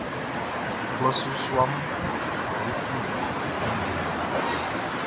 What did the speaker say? Klɔʼn su suaʼm be ti tɛnndɛn.